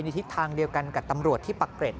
ทิศทางเดียวกันกับตำรวจที่ปะเกร็ด